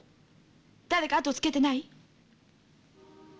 誰かあとつけてない？